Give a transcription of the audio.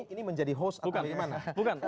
ini menjadi host atau bagaimana